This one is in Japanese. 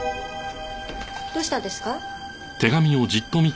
どうしたんですか？